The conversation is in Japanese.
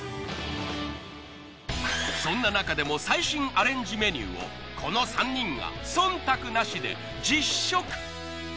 そんななかでも最新アレンジメニューをこの３人が忖度なしで実食。